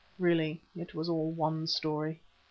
Really it was all one story.